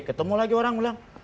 ketemu lagi orang bilang